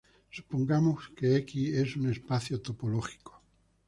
Supongamos que "X" es un espacio topológico.